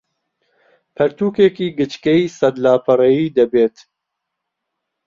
پەرتووکێکی گچکەی سەد لاپەڕەیی دەبێت